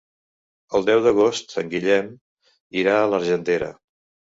El deu d'agost en Guillem irà a l'Argentera.